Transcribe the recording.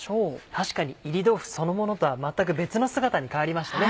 確かに炒り豆腐そのものとは全く別の姿に変わりましたね。